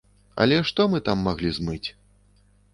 Але што мы там маглі змыць!